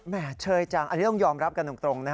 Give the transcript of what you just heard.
แม่เชยจังอันนี้ต้องยอมรับกันตรง